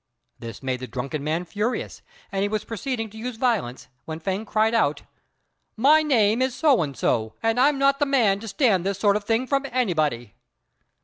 This made the drunken man furious, and he was proceeding to use violence, when Fêng cried out, "My name is So and so, and I'm not the man to stand this sort of thing from anybody."